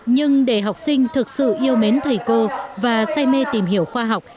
nhưng để học sinh thực sự yêu mến thầy cô và say mê tìm hiểu khoa học